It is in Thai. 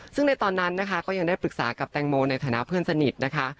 ซึ่งในตอนนั้นนะคะก็ยังได้ปรึกษากับแตงโมในฐานะเพื่อนสนิทนะคะ